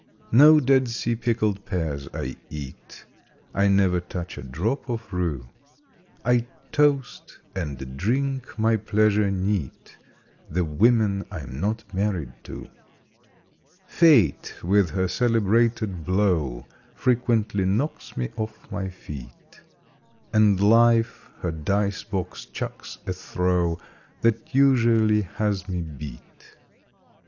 No Dead Sea pickled pears I eat; I never touch a drop of rue; I toast, and drink my pleasure neat, The women I'm not married to! Fate with her celebrated blow Frequently knocks me off my feet; And Life her dice box chucks a throw That usually has me beat.